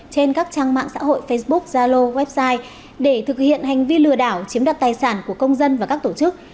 trên các trang mạng xã hội facebook zalo website để thực hiện hành vi lừa đảo chiếm đoạt tài sản của công dân và các tổ chức